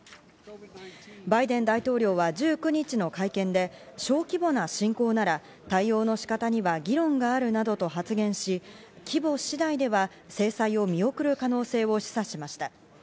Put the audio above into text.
バイデン大統領が１９日の会見で、小規模な侵攻なら対応の仕方には議論があるなどと発言し、規模次第では制裁を見送る可能性を示唆しました。